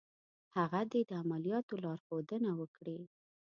هغه دې د عملیاتو لارښودنه وکړي.